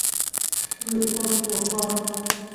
người còn của còn